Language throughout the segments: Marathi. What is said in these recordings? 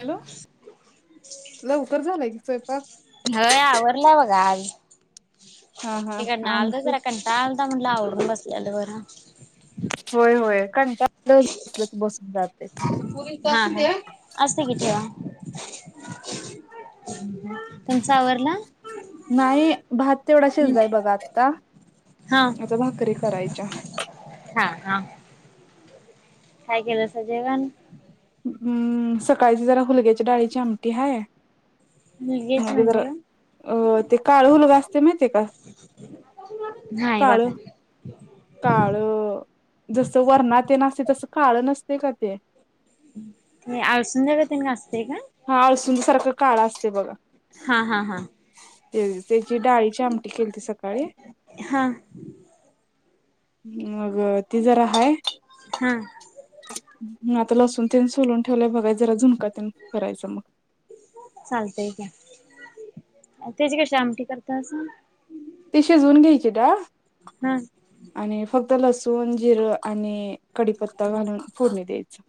हॅलो, लवकर झालंय. स्वयपाक? हय आवरला बघा आज. हा [unintelligible] हा आमचं म्हटलं आवरुन बसलेलं बरं. [unintelligible] हा असते कि [unintelligible] [inaudible] नाही, भात तेवढा शिजलाय बघा आत्ता हा आता भाकरी करायच्या. हा हा काय केलं सा जेवण. हम्म, सकाळीची जरा हुलग्याच्या डाळीची आमटी हाय. मुलगीच मग जरा, म्हणजे अं ते काळ हुलगा असते माहिती का? नाही काळ बघा काळ जसं वरणात [unintelligible] नसते तस काळ नसते. ते [unintelligible] ते. ते [unintelligible] असते का? हा [unintelligible] सारखं काळा असते बघा. हा हा हा ते त्याची डाळीची आमटी केलती सकाळी. हा हम्म. मग ती जरा हाये. हा आता लसून तेन सोलून ठेवलंय बघाय जरा झुणकातून करायचं मग. चालतय घ्या, त्याची कशी आमटी करतासा. ते शिजवून घ्यायचे [unintelligible] हा आणि फक्त त लसूण जिरं आणि कडी पत्ता घालून फोडणी द्या [inaudible]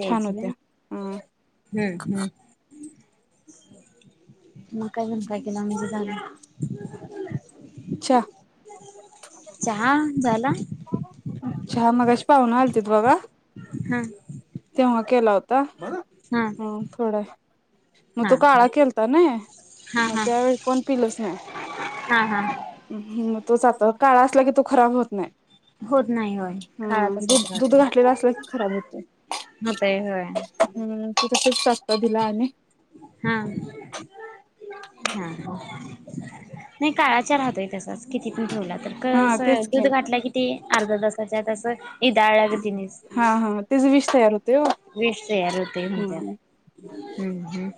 देची हम्म हम्म म काय म्हण काय केलं म्हणजे जाण त्या चहा झाला. अच्छा मगाशी पाव्हना आलतीत बघा हा तेव्हा केला होता. हा हू थोडा म तो हा हा काळा केलतानयी हा मग हा त्यावेळी कोण पिलच नाही. हा हा मगं तोच आता काळा असला की तो खराब होत नाही. होत नाही होय हू काळा तसाच दूध दुध राहतो घातलेल असल की खराब होतय होतय होय हम्म [unintelligible] आणि हा हा नाही काळा चहा राहतोय. तसाच किती पण ठेवला तर हा कसं तेच की दूध घाटला कि ते अर्धा तास त्याच्यात आसं इदाळल्यागतिन हा हा तेच विष तयार होतंय ओ. दीस हम्म [unintelligible] हुं हुं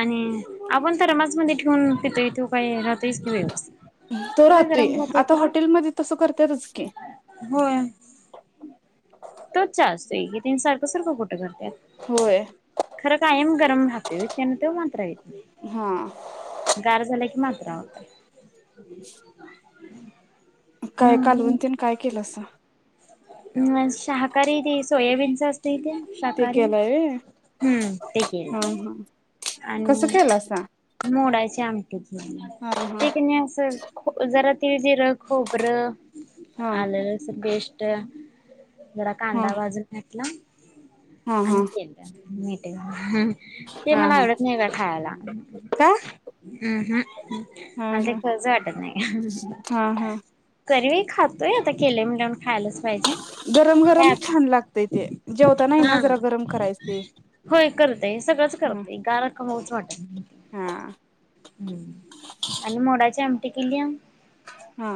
आणि आपण थरमास मध्ये ठेवून पितोय तो काय राहतोयच की व्यवस्थित तो काय राहतोय गरम आता खरं हॉटेलमध्ये तसं करत्यातच की होय [unintelligible] सारखं सारखं कुठं करत्यात होय खरं कायम गरम राहतोय. त्यान तो मातरा होत हा नाही गार झाला की म मात्रा होतोय. [inaudible] [inaudible] काय कालवून तेन काय केलासा. शाहाकारी ती सोयाबीनच अस तय तेन ते शहाकारी केलाय व्हय हम्म ते हा केलं हा आणि कसं केलासा मोडायची आमटी हा हा ते कणी आसं जरा तिळ जिर खोबर हा आल लसूण पेस्ट पेस्ट जरा हा कांदा भाजून घेतला हा हा आणखी इकदा मी हं ते हा मला हा आवडत नाही बया खायाला का अं हं हा मला ते हा खाऊच वाटत नाही. हा हा तरीवी खातोय आता केलंय म्हणल्यावर खायलाच पाहिजे गरम गरम काय? छान लागतय ते जेवताना आहे ना हा जरा गरम करायच ते होय करतय सगळंच हं करतय गार खाऊच वाटत हा नाय आणि मोडाची आमटी केलीया हा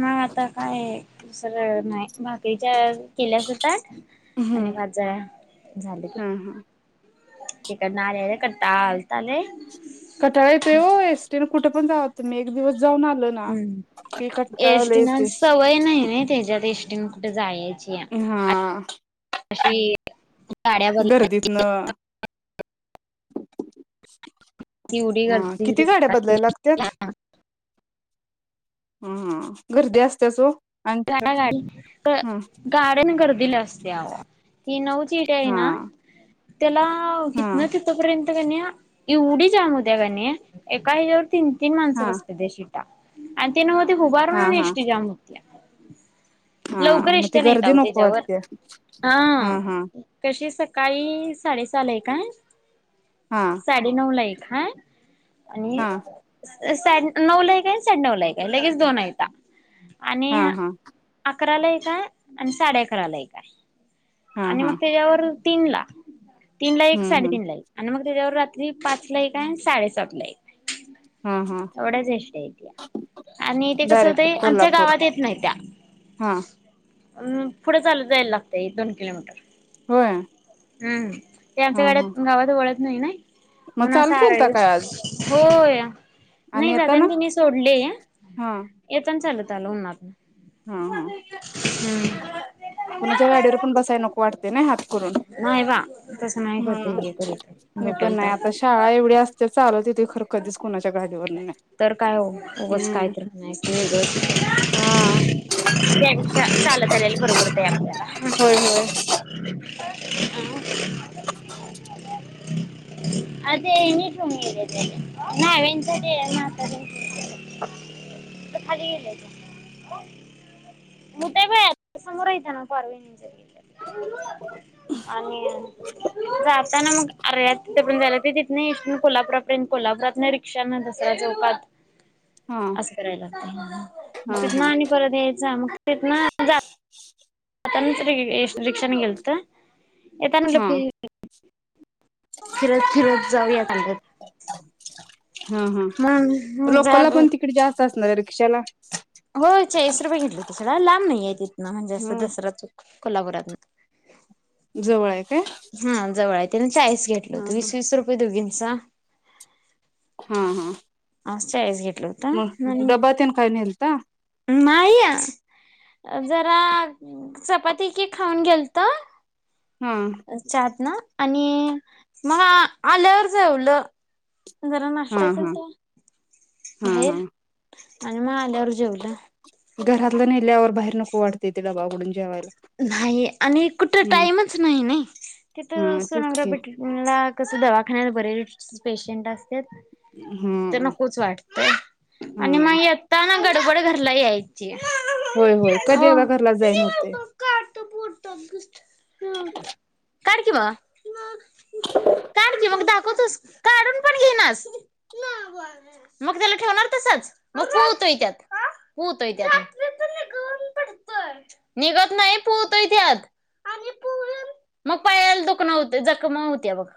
नाय आता दुसर नाही बाकीच्या केल्या असाल ताट आणि हम्म भाज झालंकी हा हा तिकडं आल्या आल्या कंटाळा आलता लय कटाळा येतोय ओ एसटीने कुठ [unintelligible] एक दिवस जाऊन आलो ना हम की कंटाळा लय एसटीनं येतोय सवय नाही ना त्याच्यात एस त्यांना कुठ जाय हा गाड्या बदलायची गर्दीतन [unintelligible] एवढी हा गर्दी किती गाड्या दिसत्या बदलायला की लागत्यात [unintelligible] हम गर्दी असत्याच ओ. आणि [unintelligible] ग ह गाड्याना गर्दी दिलं असत्याव ही नऊज हा [unintelligible] त्यालाव हा इतना तिथं पर्यंत कन्या एवढी जाम हुत्या कन्या एका ह्याच्यावर तीन तीन माणसं हा बसत्यात तशी या आणि ती नवत उभारून हा आणि हा एसटी जाम होतिया. हा लवकर मग ती इष्टया नाहीत गर्दी आव नको त्याच्यावर वाटते हा कशी स सकाळी साडेसहाला एक हाय हा साडे नऊ ला एक हाय आणि हा स अ साडे नऊ ला एक काय साडे नऊ ला एक काय लगेच दोन ऐता आणि हा हा अकराला एक हाय आणि साडे अकराला एक हाय. हा आणि मग हा त्याच्यावर तीन लाख. तीन ला एक हम्म हम्म साडेतीन ला एक आणि मग त्याच्यावर रात्री पाच ला एक आहे साडेसात ला एक आहे. हा हा येवढ्याच एसटय़ा त्या आणि ते कसं डायरेक्ट होतंय आमच्या कोल्हापूर गावात येत नाही त्या. हा. पुढ चालत जायला लागतय एक दोन किलोमीटर. होय. ह्म्म. ते आमच्या हा हा गाड्यात गावात वळत नाही. नाही. मग चालू केलता काय आज [unintelligible] होय. नाय जाताना आणि तेनी सोडले हा येतानी चालत चालू होणार. हा हा. हम्म. कुणाच्या गाडीवर पण बसाया नको वाटतय हात करून नाही बा तसं नाही करत ह हे करीत मी पण डोक्याला नाही ताप आता शाळा एवढी असते चालू तिथे. तर काय हो उगाच काय हम्म तर नाय हा चालत आलेल बरं पडतय. होय होय [inaudible] [inaudible] नाव्हान साठी हाय म्हातार्‍या साठी आता खाली येल त मुद्दा काय समोर य ना परवेणी आणि जाताना मग आर्या तिथ पण ते तिथंन इथनं कोल्हापुरात कोल्हापुरात न रिक्षा दुसर्‍या चौकात हा अस करायला. ह्म्म. हा तिथंन हा आणि परत यायचं मग तिथन [unintelligible] पण तरी रिक्षानी गेलतो. येताना हा लिफ्ट फिरत फिरत जाऊया सांगत्यात. हा हा ब्रोकोला पण तिकडे जा. कसला, रिक्षाला हो, चाळीस रुपये घेतलेत. जरा, लांब नाही आहे की, म्हणजे जस, ह दसराच की, कोल्हापुरातन, जवळ हाय काय, हा, जवळ हाय ते, चाळीस घेतलं. हा हा वीस, वीस रुपये दोघीत, जा हां हां असं हाय हे डबा तेन काय नेलता [inaudible] जरा, चपाती की खाऊन गेलतो. हा चहात ना, आणि मग आल्यावर जेवलो. जरा हा नाश्ता हा केलता. हा हा बाहेर आणि मग आल्यावर, जेवलं घरातलं नेल्यावर बाहेर, नको, वाटतंय तिला बागडून जेवायला. नाही. आणि कुठं हम्म टाईमच नाही. नाय तिथ, हा तेच की सोनोग्राफी ट्रीटमेंटला कसं, दवाखान्यात बरेच पेशंट असतात. हेच तर, हम्म नकोच वाटतंय. आणि हा मग येता ग घरला यायची. होय, होय, कधी हो एकदा घरला जाईन होतंय. काढ की, बाबा काढ की मग दाखवतोस, काढून पण घेइनास, मग त्याला ठिवणार तसंच मग पू होतोय, त्यात पू होतोय, त्यात निघ नाही. पू होतोय, त्यात मग पायाला दुखणं होतय, जखम होत्या, मग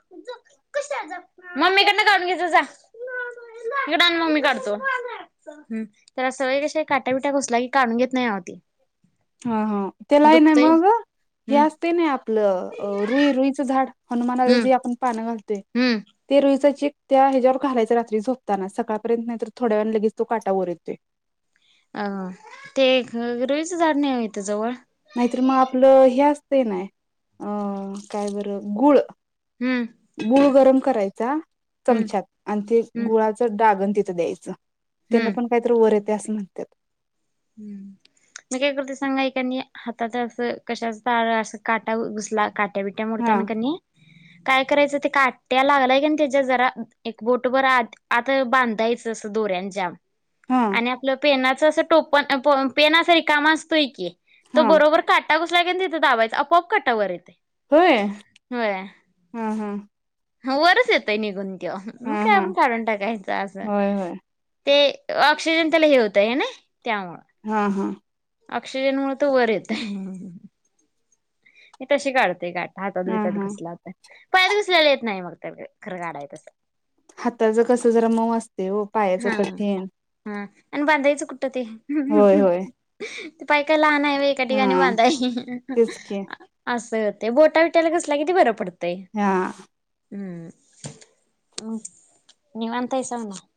मम्मीकडनं काढून घे जा जा इकडं मग मी काढतो, त्याला सवय अशी आहे. की काटा बीटा घुसला की, काढून घेत नाही. अहो, ते हा हा त्याला आहे. ना दुखतय मग हे हम्म असतय. ना आपलं अं, रुई रुईचं झाड हनुमानाला हम्म जे आपण पान घालत. हम्म ते जे, त्या ह्याच्यावर घालायचं, रात्री झोपताना सकाळपर्यंत नाहीतर, थोड्या वेळानं लगेच तो काटा वर येतोय. अं, ते रुईचं झाड नाही होय, इथं जवळ नाहीतर, मग आपलं हे असतंय. नाय, अ काय बरं गुळ हम्म गूळ गरम करायचा? हम्म चमच्यात आणि ते हम्म गुळाचं डागन. तिथं द्यायचा. हम्म त्यानं पण कायतर वर येत त्या असं म्हणत्यात. [unintelligible] [unintelligible] मोडताना हा कनीकाय करायचं काट्या लागलाय के नाय त्याच्या जरा एक बोट बर आत आत बांधायचं असं दोऱ्यांन जाम. हा आणि आपलं पेना असं टोक पण प पेनासही काम असतोय की. तो हा बरोबर काटा घुस घुसलायकी नई तीथ दाबायचं आपोआप काटावर येतोय. होय हा हा. ह वरस येतय निघून. त्यो मग हा काय हा आपण काढून टाकायचं असं. होय होय ते ऑक्सिजन त्याला हे होतंय हे ना. हा हा. ऑक्सिजन मुळ तो वर येतोय. मी तशी काढते काट. हातात हा बितात हा घुसला की. पायत घुसलेला येत नाही मग त्या खर काढायचा त. हाताच कस जरा मऊ अस. हा हा हा आणि बांधायचं. कुठं ते होय होय ते पाय काय लहान आहेत? एका ठीकाणी हा बाधाय तेच की अस. ते बोटा बिटाला घुसला की ते बरं पडत. हा. निवांत आहेसा मग?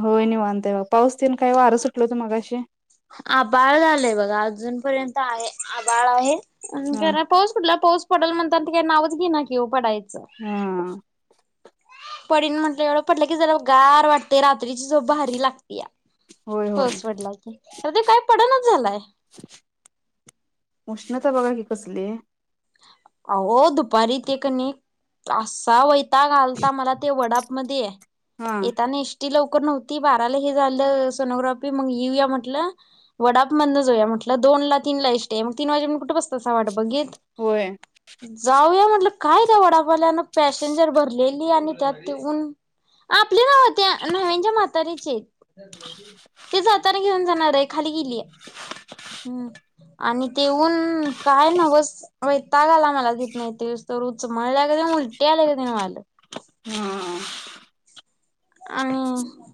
होय नीवांतय बा पाऊस तेन काय वारं सुटल होत मगाशी. हा आभाळ झालंय बघा अजून. पर्यंत आहे आभाळ आहे. [unintelligible] हा कुठला पाऊस पडल म्हतात. ते काही नावच घे ना कीव पडायच हं पडीन म्हटलं, एवढं पटलं की जरा गार वाटतय. रात्रीची झोप भारी लागतीया. होय होय पाउस पडला की आव ते काय पडणाच झालाय. कसले आहो दुपारी ते कणी, असा वै ताग आलता. मला ते वडा मध्यी ये. हा येता नीश ती लवकर नव्हती. बाराला हे झालं सोनोग्राफी मग येऊया म्हटलं. वडाप मंदन जाऊया म्हटलं, दोन ला तीन ला एसटी आहे मग तीन वाजेपर्यंत कुठ बसतासा वाट बघित. होय जाऊया म्हटलं. काय त्या वडापवाल्यान पॅसेंजर भरलेली आणि त्यात ते ऊन. आपले नव्हे ते नाव्ह्यायांच्या म्हातऱ्याचे. ती जातान घेऊन जाणार आहे खाली गेलीया आणि त्या ते ऊन काय नव्हस वैताग आला मला तिथंन इथ येऊस्तवर. उचमळल्यागत आणि उलट्या आल्यागतीन व्हाय लागलं. हां हां. आणि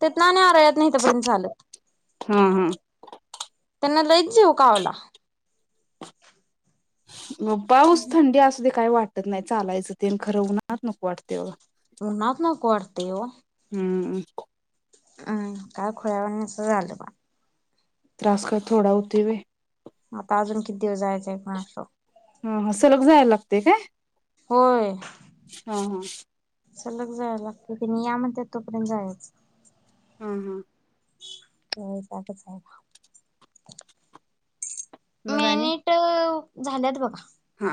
तीतन आणि आरळ्यातन इथपर्यंत चालत. हम हम. त्यांना लैच जिवकावला. म पाऊस थंडी असते काय वाटत नाही चालायचं तेन. खरं उनात नको वाटतय बघा. उनात नको वाटत तेव. हं. हम् काय खुळ्यावानीस झालं बा त्रास काय थोडा होतोय व्हय? आता अजून कित हा हा, सलग जायला लाग ते काय? होय. हा हा सलग जायला लागतय. त्यांनी या म्हणटलय तोपर्यंत जायच. हम् हम्. [unintelligible] मग आणि मिनिट अं? झाल्यात बघा. हा.